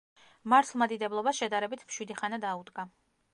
მართლმადიდებლობას შედარებით მშვიდი ხანა დაუდგა.